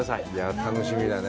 楽しみだね。